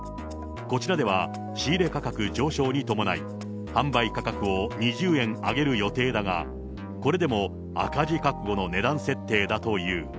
こちらでは仕入れ価格上昇に伴い、販売価格を２０円上げる予定だが、これでも赤字覚悟の値段設定だという。